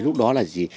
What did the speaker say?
lúc đó là gì